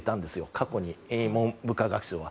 過去に文部科学省は。